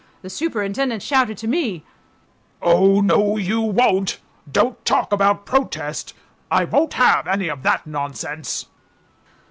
The superintendent shouted to me, "Oh, no, you won't; don't talk about protest; I won't have any of that nonsense."